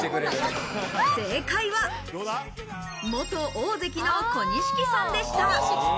正解は元大関の小錦さんでした。